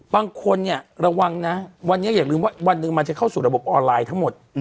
บางคนเนี่ยระวังนะวันนี้อย่าลืมว่าวันหนึ่งมันจะเข้าสู่ระบบออนไลน์ทั้งหมด